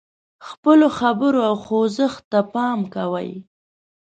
خپلو خبرو او خوځښت ته پام کوي.